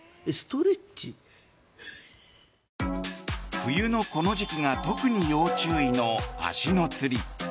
冬のこの時期が特に要注意の足のつり。